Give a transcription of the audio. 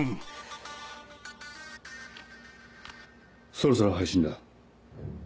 そろそろ配信だ。